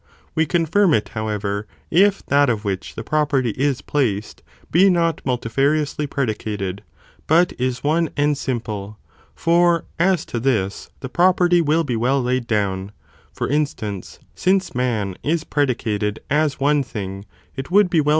We confirm it, however, if that of which the property is placed, be not multifariously predicated, but is one and simple, for as to this, the property will be well laid down, for instance, since man is predicated as one thing, it would be well.